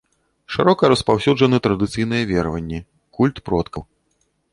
Шырока распаўсюджаны традыцыйныя вераванні, культ продкаў.